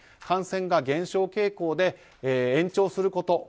感染が減少傾向で延長すること。